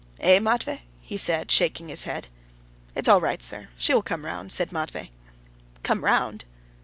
"Eh, Matvey?" he said, shaking his head. "It's all right, sir; she will come round," said Matvey. "Come round?"